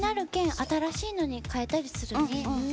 新しいのに替えたりするね。